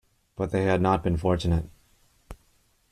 But they had not been fortunate.